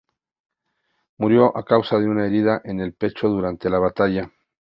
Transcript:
Murió a causa de una herida en el pecho durante la batalla.